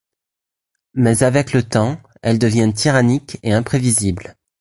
Mais avec le temps, elle devient tyrannique et imprévisible.